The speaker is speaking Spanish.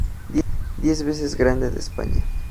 Diez veces Grande de España.